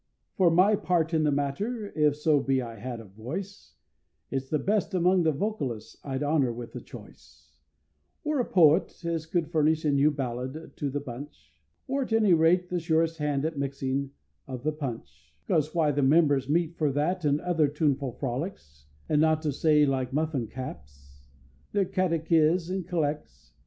For my part in the matter, if so be I had a voice, It's the best among the vocalists I'd honor with the choice; Or a Poet as could furnish a new Ballad to the bunch; Or at any rate the surest hand at mixing of the punch; 'Cause why, the members meet for that and other tuneful frolics And not to say, like Muffincaps, their Catichiz and Collec's.